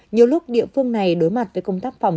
nhiều lúc địa phương này đối mặt với công tác phòng